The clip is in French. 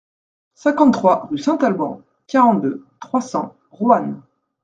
cinquante-trois rue Saint-Alban, quarante-deux, trois cents, Roanne